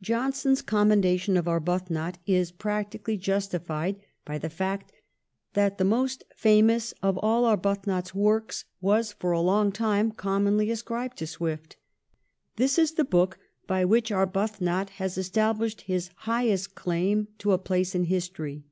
Johnson's commendation of Arbuthnot is practic ally justified by the fact that the most famous of all Arbuthnot's works was for a long time commonly ascribed to Swift. This is the book by which Arbuthnot has established his highest claim to a place in history.